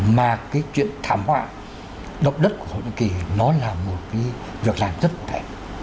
mà cái chuyện thảm họa độc đất của hồ chí minh kỳ nó là một cái việc làm rất cụ thể